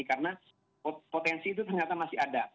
karena potensi itu ternyata masih ada